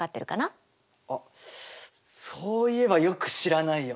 あっそういえばよく知らないや。